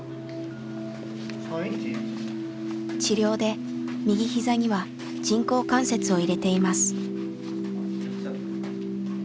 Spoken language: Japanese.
治療で右ひざには人工関節を入れています。